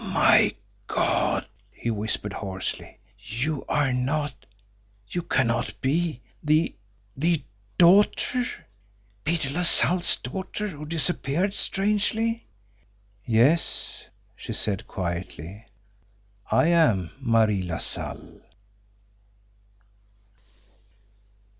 "My God!" he whispered hoarsely. "You are not, you cannot be the the daughter Peter LaSalle's daughter, who disappeared strangely!" "Yes," she said quietly. "I am Marie LaSalle."